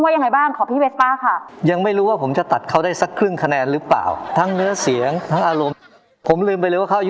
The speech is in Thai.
เธอมีฉันแต่ว่าฉันมีใครจะเรียกฆ่าเธอได้ไหมมือต้องการ